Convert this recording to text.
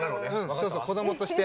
そうそう子どもとして。